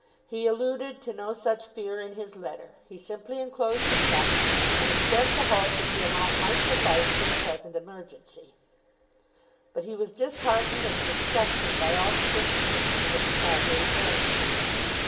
He alluded to no such fear in his letter. He simply enclosed the cheque, and expressed a hope that the amount might suffice for the present emergency. But he was disheartened and disgusted by all the circumstances of the Carbury family.